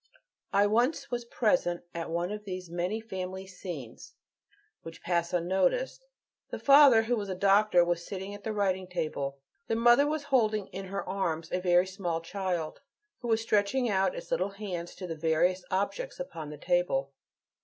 I once was present at one of these many family scenes, which pass unnoticed. The father, who was a doctor, was sitting at the writing table; the mother was holding in her arms a very small child, who was stretching out its little hands to the various objects upon the table.